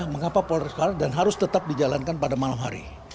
mengapa polres kalah dan harus tetap dijalankan pada malam hari